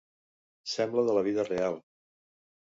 Sembla de la vida real.